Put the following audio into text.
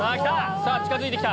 さぁ近づいて来た。